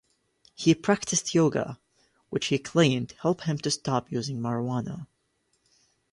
He practiced yoga, which, he claimed, helped him to stop using marijuana.